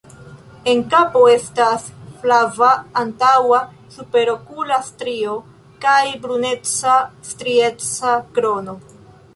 En kapo estas flava antaŭa superokula strio kaj bruneca strieca krono.